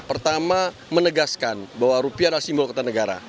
pertama menegaskan bahwa rupiah adalah simbol kertanegara